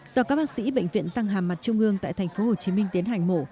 do các bác sĩ bệnh viện răng hàm mặt trung ương tại tp hcm tiến hành mổ